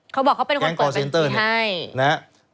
เขาบอกเขาเป็นคนเปิดบัญชีให้